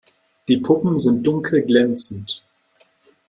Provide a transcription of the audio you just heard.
Die Puppen sind dunkel glänzend.